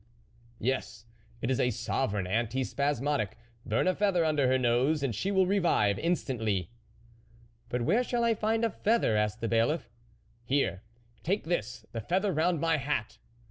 Yes, it is a sovereign anti spasmodic ; burn a feather under her nose, and she will revive instantly." " But where shall I find a feather ?" asked the bailiff. " Here ! take this, the feather round my hat."